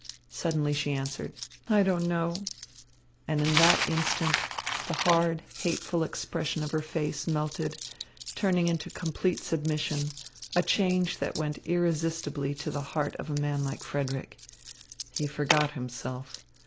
Suddenly she answered: "I don't know." And in that instant the hard, hateful expression of her face melted, turning into complete submission, a change that went irresistibly to the heart of a man like Frederick. He forgot himself.